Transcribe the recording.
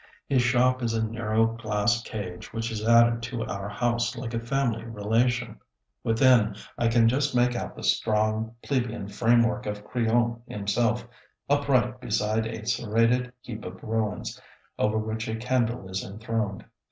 His shop is a narrow glass cage, which is added to our house, like a family relation. Within I can just make out the strong, plebeian framework of Crillon himself, upright beside a serrated heap of ruins, over which a candle is enthroned.